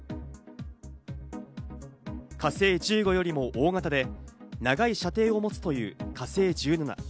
「火星１５」よりも大型で長い射程を持つという「火星１７」。